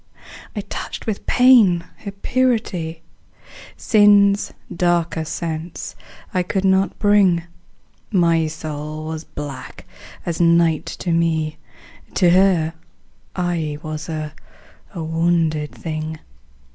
I touched with pain her purity; Sin's darker sense I could not bring: My soul was black as night to me: To her I was a wounded thing.